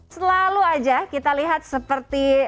selalu aja kita lihat seperti